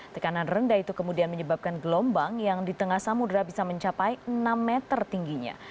tekanan rendah itu kemudian menyebabkan gelombang yang di tengah samudera bisa mencapai enam meter tingginya